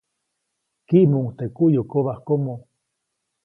Kiʼmuʼuŋ teʼ kuʼyukobajkomo.